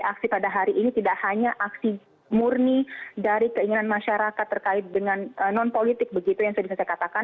aksi pada hari ini tidak hanya aksi murni dari keinginan masyarakat terkait dengan non politik begitu yang tadi saya katakan